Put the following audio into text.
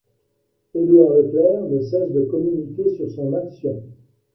Édouard Leclerc ne cesse de communiquer sur son action.